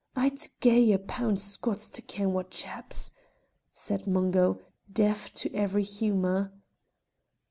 "I'd gie a pound Scots to ken wha chaps," said Mungo, deaf to every humour.